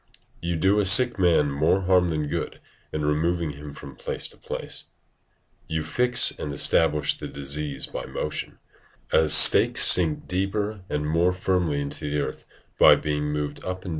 You do a sick man more harm than good in removing him from place to place; you fix and establish the disease by motion, as stakes sink deeper and more firmly into the earth by being moved up and down in the place where they are designed to stand.